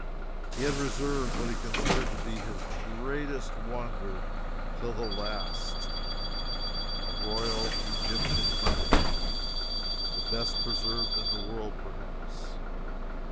He had reserved what he considered to be his greatest wonder till the last a royal Egyptian mummy, the best preserved in the world, perhaps.